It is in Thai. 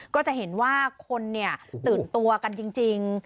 ก็จะเห็นว่าคนตื่นตัวกันจริง